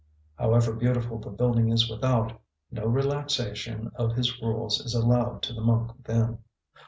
However beautiful the building is without, no relaxation of his rules is allowed to the monk within.